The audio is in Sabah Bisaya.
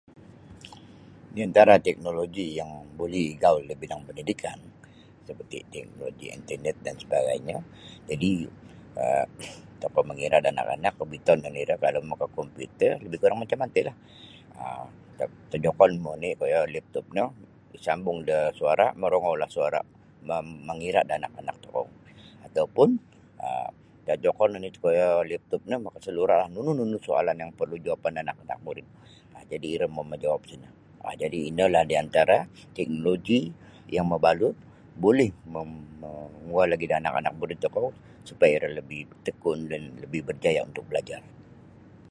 Diantara tiknoloji yang buli igaul da bidang pandidikan seperti tiknoloji internet dan sebagainyo jadi' um tokou mangira' da anak-anak obiton oni iro kalau makakomputer labih kurang macam mantilah um tojokonmu oni' koyo laptop no isambung da suara' morongoulah suara' mam mangira' da anak-anak tokou atau pun um tojokon oni koyo laptop no makasalura' nunu-nunu soalan yang porlu jawapan da anak-anak murid jadi' iro mamajawap sino jadi' inolah diantara tiknoloji yang mabalut buli mam manguo lagi da anak-anak tokou supaya iro lebih tekun dan lebih berjaya' untuk belajar.